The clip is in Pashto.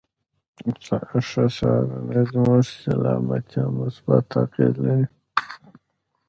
ښه سهارنۍ زموږ پر سلامتيا مثبته اغېزه لري.